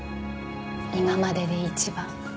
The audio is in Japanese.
今までで一番。